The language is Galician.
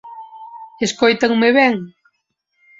¿Escóitanme ben?